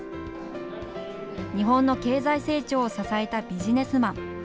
日本の経済成長を支えたビジネスマン。